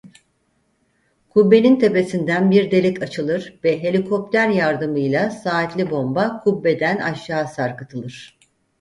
Kubbenin tepesinden bir delik açılır ve helikopter yardımıyla saatli bomba kubbeden aşağı sarkıtılır.